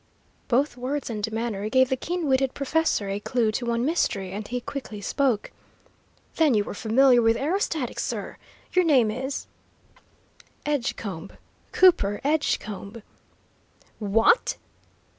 Both words and manner gave the keen witted professor a clew to one mystery, and he quickly spoke: "Then you were familiar with aerostatics, sir? Your name is " "Edgecombe, Cooper Edgecombe." "What?"